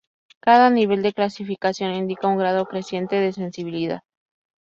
Cada nivel de clasificación indica un grado creciente de sensibilidad.